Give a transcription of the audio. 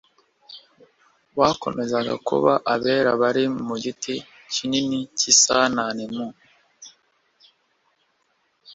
bakomezaga kuba abera bari mu giti kinini cy i sananimu